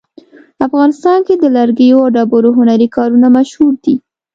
افغانستان کې د لرګیو او ډبرو هنري کارونه مشهور دي